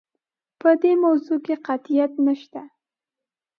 په دې موضوع کې قطعیت نشته.